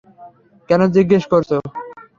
কেন জিজ্ঞেস করছ?